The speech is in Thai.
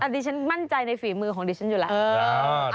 ดิฉันมั่นใจในฝีมือของดิฉันอยู่แล้ว